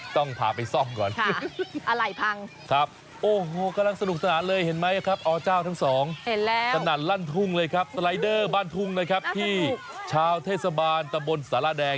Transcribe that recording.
ต้องพาไปซ่องก่อนค่ะอะไหล่พังครับโอ้โหกำลังสนุกสนานเลยเห็นไหมครับ